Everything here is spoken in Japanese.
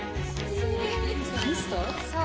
そう。